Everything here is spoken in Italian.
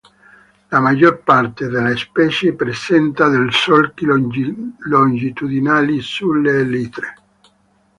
La maggior parte delle specie presenta dei solchi longitudinali sulle elitre.